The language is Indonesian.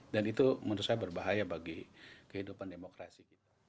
dan itu menurut saya berbahaya bagi kehidupan demokrasi